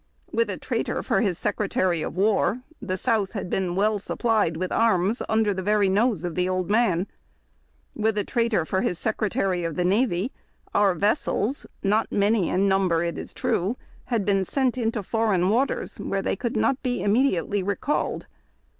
With a traitor for his Secretary of War, the South had been well supplied with arms under the very nose of the old man. With a traitor for his Secretary of the Navy, our vessels — not many in number, it is true — had been sent into foreign waters, where they could not be immediately recalled.